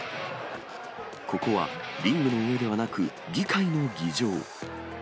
ここはリングの上ではなく、議会の議場。